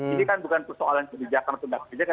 ini kan bukan persoalan kebijakan atau tidak kebijakan